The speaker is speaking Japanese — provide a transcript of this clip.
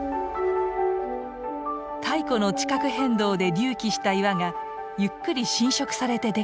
太古の地殻変動で隆起した岩がゆっくり浸食されてできた。